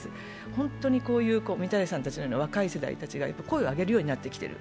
本当にみたらしさんのような若い人たちが声を上げるようになってきている。